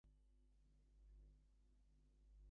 Thereby the opening of the central cavity is affected.